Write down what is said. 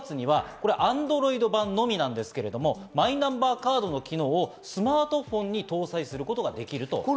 来年の５月にはＡｎｄｒｏｉｄ版のみなんですけども、マイナンバーカードの機能をスマートフォンに搭載することができる。